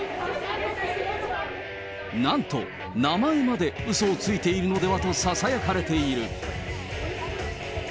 なんと、名前までうそをついているのではとささやかれている。